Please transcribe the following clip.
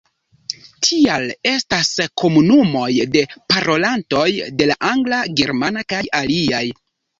Tial estas komunumoj de parolantoj de la angla, germana kaj aliaj.